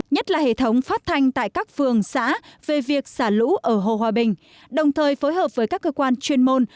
nhất là hệ thống phát thanh tại các phường xã về việc xả lũ ở hồ hòa bình đồng thời phối hợp với các cơ quan chuyên môn